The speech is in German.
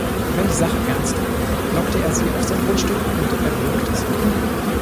Wenn die Sache ernst wurde, lockte er sie auf sein Grundstück und erwürgte sie.